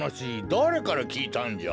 だれからきいたんじゃ？